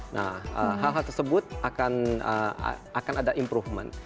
nah hal hal tersebut akan ada improvement